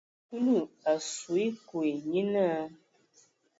Kulu a su ekɔɛ, nye naa.